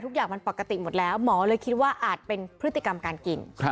ทุกอย่างมันปกติหมดแล้วหมอเลยคิดว่าอาจเป็นพฤติกรรมการกิน